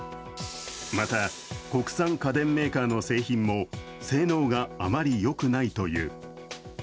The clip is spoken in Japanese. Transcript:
また、国産家電メーカーの製品も性能があまりよくないという。